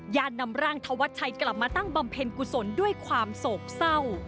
นำร่างธวัชชัยกลับมาตั้งบำเพ็ญกุศลด้วยความโศกเศร้า